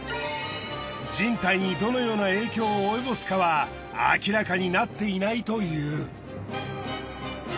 人体にどのような影響を及ぼすかは明らかになっていないという。